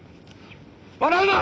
笑うな！